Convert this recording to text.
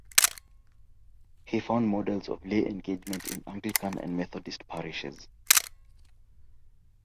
He found models of lay engagement in Anglican and Methodist parishes.